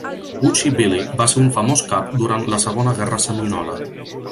Uchee Billy va ser un famós cap durant la Segona Guerra Seminola.